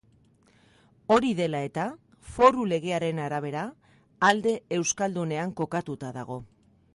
Hori dela eta, foru legearen arabera, alde euskaldunean kokatuta dago.